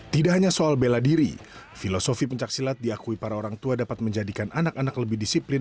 tidak hanya soal bela diri filosofi pencaksilat diakui para orang tua dapat menjadikan anak anak lebih disiplin